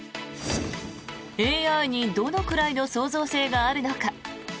ＡＩにどのくらいの創造性があるのか。